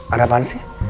ada apaan sih